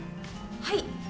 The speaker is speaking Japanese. はい。